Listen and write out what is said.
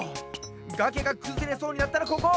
がけがくずれそうになったらここ！